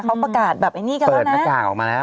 เขาประกาศแบบนี้ก็แล้วนะ